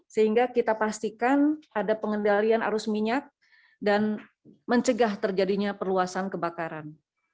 sehingga kita pastikan ada pengendalian arus minyak dan mencegah terjadinya perluasan kebakaran